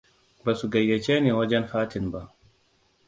Ba su gayyace ni wajen fatin ba.